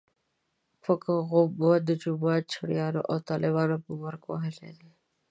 پک غوبه د جومات چړیانو او طالبانو په مرګ وهلی دی.